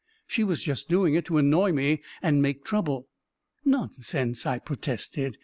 She was just doing it to annoy me and make trouble ..." "Nonsense!" I protested.